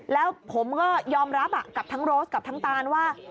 แล้วผมก็ยอมรับกับทั้งโรสกับทั้งตานว่า